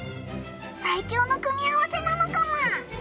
最強の組み合わせなのかも！